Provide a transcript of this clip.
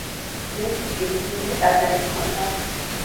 მემფისში დიდებული ტაძარი ჰქონდა.